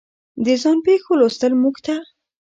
د ځان پېښو لوستل موږ ته